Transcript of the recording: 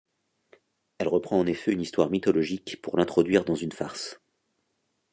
Elle reprend en effet une histoire mythologique pour l'introduire dans une farce.